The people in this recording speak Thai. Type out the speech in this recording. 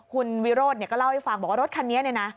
คุณวิโรธก็เล่าให้ฟังบอกว่ารถคันนี้เนี่ยนะ